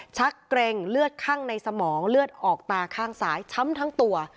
ชักเกร็งเลือดคั่งในสมองเลือดออกตาข้างซ้ายช้ำทั้งตัว